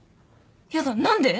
やだ何で？